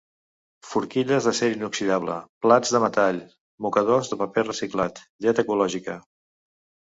Forquilles d'acer inoxidable, Plats de metall, mocadors de paper reciclat, llet ecològica.